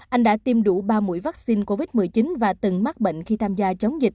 anh đã tiêm đủ ba mũi vaccine covid một mươi chín và từng mắc bệnh khi tham gia chống dịch